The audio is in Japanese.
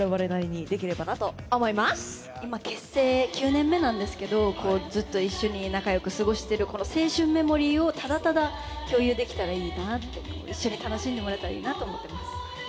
今結成９年目なんですけどずっと一緒に仲良く過ごしてるこの青春メモリーをただただ共有できたらいいなと一緒に楽しんでもらえたらいいなと思ってます。